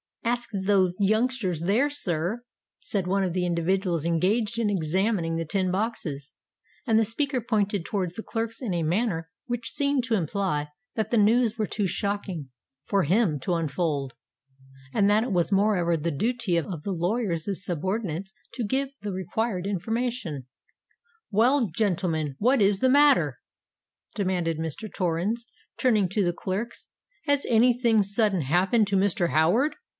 "Ask those youngsters there, sir," said one of the individuals engaged in examining the tin boxes: and the speaker pointed towards the clerks in a manner which seemed to imply that the news were too shocking for him to unfold, and that it was moreover the duty of the lawyer's subordinates to give the required information. "Well, gentlemen, what is the matter?" demanded Mr. Torrens, turning to the clerks. "Has any thing sudden happened to Mr. Howard?"